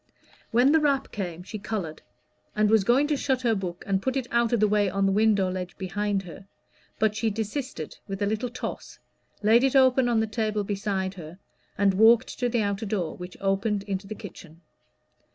When the rap came, she colored, and was going to shut her book and put it out of the way on the window ledge behind her; but she desisted with a little toss, laid it open on the table beside her, and walked to the outer door, which opened into the kitchen.